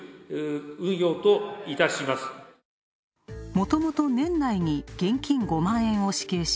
もともと年内に現金５万円を支給し、